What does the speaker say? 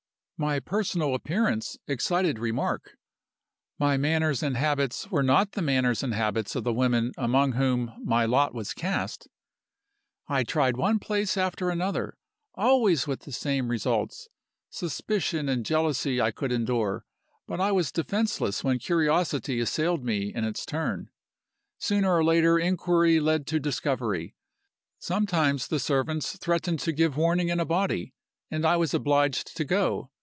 My personal appearance excited remark; my manners and habits were not the manners and habits of the women among whom my lot was cast. I tried one place after another always with the same results. Suspicion and jealousy I could endure; but I was defenseless when curiosity assailed me in its turn. Sooner or later inquiry led to discovery. Sometimes the servants threatened to give warning in a body and I was obliged to go.